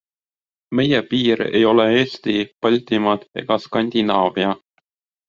Meie piir ei ole Eesti, Baltimaad ega Skandinaavia.